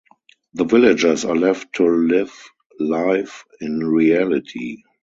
The villagers are left to live life in reality.